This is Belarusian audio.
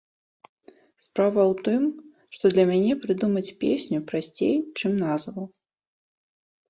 Справа ў тым, што для мяне прыдумаць песню прасцей, чым назву.